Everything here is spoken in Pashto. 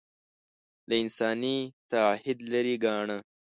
له انساني تعهد لرې ګاڼه